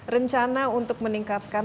rencana untuk meningkatkan